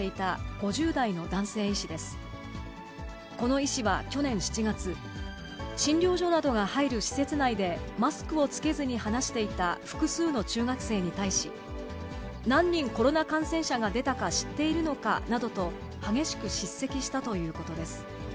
この医師は去年７月、診療所などが入る施設内で、マスクを着けずに話していた複数の中学生に対し、何人コロナ感染者が出たか知っているのか！などと激しく叱責したということです。